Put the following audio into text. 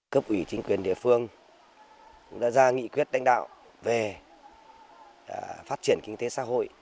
cấp ủy chính quyền địa phương đã ra nghị quyết đánh đạo về phát triển kinh tế xã hội